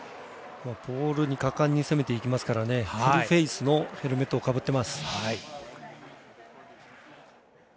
ポールに果敢に攻めていきますからフルフェースのヘルメットをかぶってます。